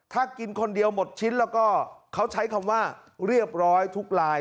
ถ้ากินคนเดียวหมดชิ้นแล้วก็เขาใช้คำว่าเรียบร้อยทุกลาย